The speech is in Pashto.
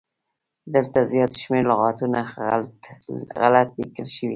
دلته زيات شمېر لغاتونه غلت ليکل شوي